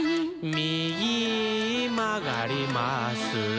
「みぎまがります」